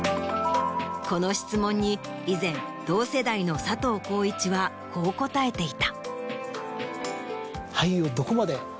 以前同世代の佐藤浩市はこう答えていた。